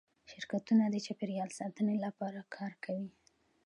شرکتونه د چاپیریال ساتنې لپاره کار کوي؟